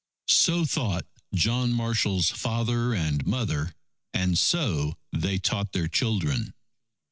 So thought John Marshall's father and mother, and so they taught their children.